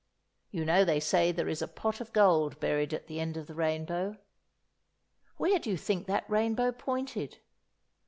You know they say there is a pot of gold buried at the end of the rainbow—where do you think that rainbow pointed?